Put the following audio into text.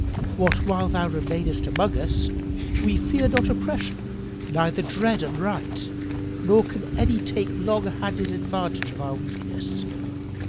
What while thou remainest amongst us, we fear not oppression neither dread unright, nor can any take long handed advantage of our weakness!